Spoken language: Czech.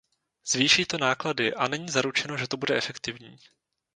Zvýší to náklady a není zaručeno, že to bude efektivní.